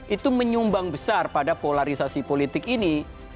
itu menyumbang besar pada polarisasi politik ini